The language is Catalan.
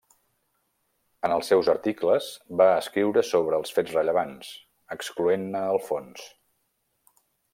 En els seus articles, va escriure sobre els fets rellevants, excloent-ne el fons.